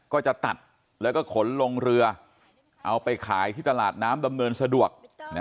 ก็จะตัดแล้วก็ขนลงเรือเอาไปขายที่ตลาดน้ำดำเนินสะดวก